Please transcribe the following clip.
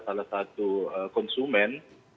salah satu konsumen